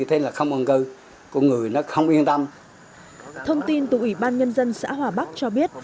thông tin tụ ủy ban nhân dân xã hòa bắc cho biết